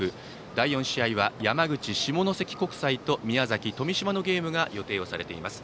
第４試合は山口・下関国際と宮崎・富島のゲームが予定されています。